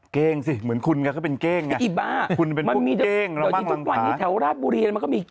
เก้งสิเหมือนคุณกันก็เป็นเก้งคุณเป็นพวกเก้งทุกวันนี้แถวราชบุรีมันก็มี